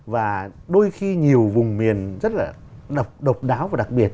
và đôi khi nhiều vùng miền rất là độc đáo và đặc biệt